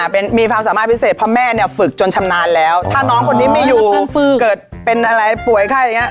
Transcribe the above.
เป็นมีความสามารถพิเศษเพราะแม่เนี่ยฝึกจนชำนาญแล้วถ้าน้องคนนี้ไม่อยู่เกิดเป็นอะไรป่วยไข้อย่างนี้